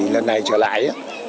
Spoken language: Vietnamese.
lần này trở lại